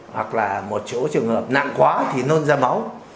hoặc là một chỗ trường hợp nặng quá thì nôn da máu